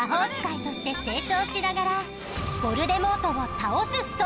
しながら。